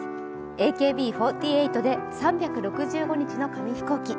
ＡＫＢ４８で「３６５日の紙飛行機」。